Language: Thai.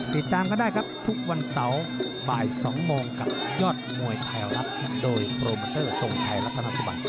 ติดตามกันได้ครับทุกวันเสาร์บ่าย๒โมงกับยอดมวยไทยรัฐโดยโปรโมเตอร์ทรงชัยรัฐนสุบัติ